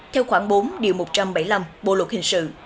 theo khoảng bốn một trăm bảy mươi năm bộ luật hình sự